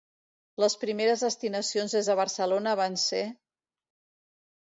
Les primeres destinacions des de Barcelona van ser: